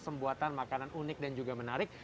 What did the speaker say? pembuatan makanan unik dan juga menarik